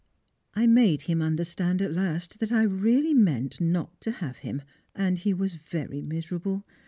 I made him understand at last that I really meant not to have him, and he was very miserable.